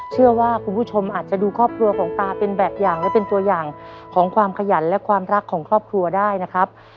เชื่อว่าคุณผู้ชมอาจจะดูครอบครัวของตาเป็นแบบอย่างและเป็นตัวอย่างของความขยันและความรักของครอบครัวได้นะครับ